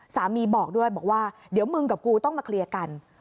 บอกด้วยบอกว่าเดี๋ยวมึงกับกูต้องมาเคลียร์กัน